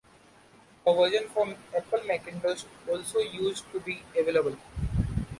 A version for Apple Macintosh also used to be available.